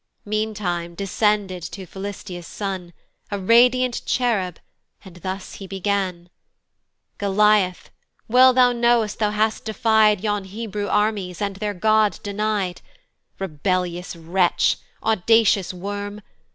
Mean time descended to Philistia's son A radiant cherub, and he thus begun: "Goliath, well thou know'st thou hast defy'd "Yon Hebrew armies, and their God deny'd: "Rebellious wretch! audacious worm!